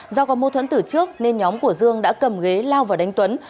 do có mô thuẫn từ trước nên nhóm của dương đã cầm ghế lao vào đánh tuấn